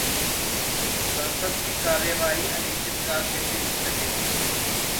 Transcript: संसद की कार्यवाही अनिश्चितकाल के लिए स्थगित